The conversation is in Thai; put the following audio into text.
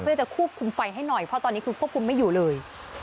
เพื่อจะควบคุมไฟให้หน่อยเพราะตอนนี้คือควบคุมไม่อยู่เลย